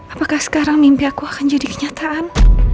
apakah sekarang mimpi aku akan jadi kenyataan